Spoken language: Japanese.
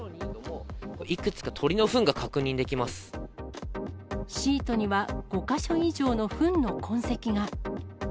いくつか鳥のふんが確認できシートには５か所以上のふんの痕跡が。